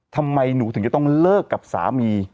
ทำไมหนูถึงจะต้องเลิกกับสามี